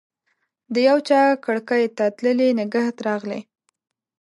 د یوچا کړکۍ ته تللي نګهت راغلی